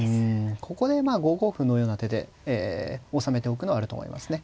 ここでまあ５五歩のような手で収めておくのはあると思いますね。